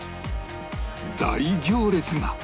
大行列が！